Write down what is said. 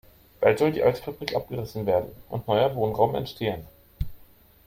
Bald soll die alte Fabrik abgerissen werden und neuer Wohnraum entstehen.